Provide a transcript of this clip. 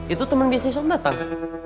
itu temen bisnis om datang